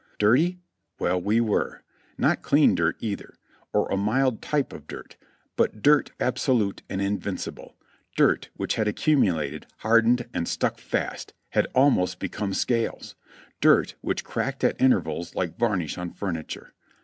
Dirty? Well, we were! not clean dirt either, or a mild type of dirt, but dirt absolute and invincible, dirt which had accumulated, hardened and stuck fast, had almost become scales; dirt which cracked at intervals like varnish on furniture.